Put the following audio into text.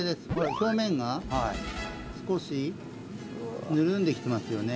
表面が少し緩んできてますよね